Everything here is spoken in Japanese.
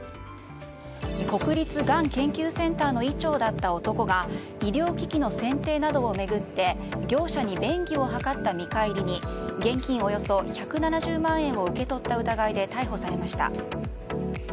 国立がん研究センターの医長だった男が医療機器の選定などを巡って業者に便宜を図った見返りに現金およそ１７０万円を受け取った疑いで逮捕されました。